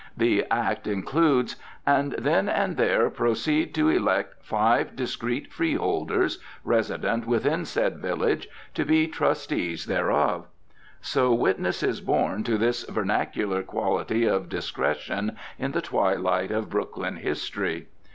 The "act" concludes: "And then and there proceed to elect Five discreet freeholders, resident within said village, to be trustees thereof." So witness is borne to this vernacular quality of discretion in the twilight of Brooklyn history.